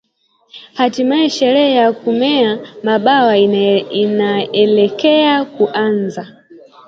Hatimaye sherehe ya kumea mabawa inaelekea kuanza